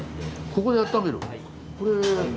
ここであっためる？